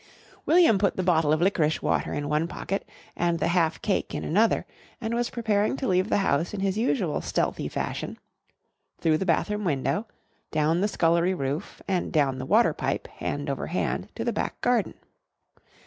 William put the bottle of licorice water in one pocket and the half cake in another and was preparing to leave the house in his usual stealthy fashion through the bathroom window, down the scullery roof, and down the water pipe hand over hand to the back garden.